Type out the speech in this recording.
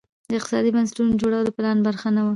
د اقتصادي بنسټونو جوړول د پلان برخه نه وه.